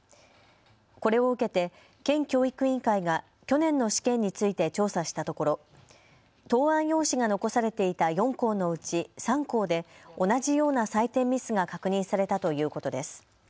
これを受けて県教育委員会が去年の試験について調査したところ答案用紙が残されていた４校のうち３校で同じような採点ミスが確認されたということです。